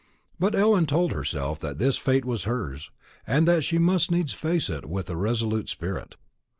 But Ellen told herself that this fate was hers, and that she must needs face it with a resolute spirit.